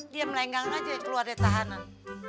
dia melenggang aja keluarga tahanan